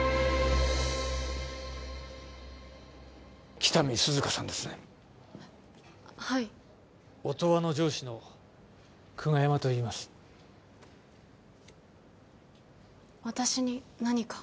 喜多見涼香さんですねはい音羽の上司の久我山といいます私に何か？